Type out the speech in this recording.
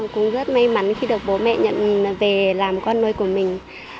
cũng rất may mắn khi được bố mẹ nhận về làm con nuôi của mình